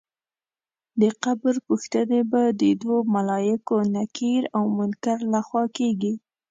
د قبر پوښتنې به د دوو ملایکو نکیر او منکر له خوا کېږي.